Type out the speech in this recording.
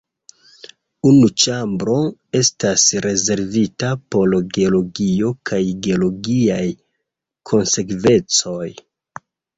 Unu ĉambro estas rezervita por geologio kaj geologiaj konsekvencoj.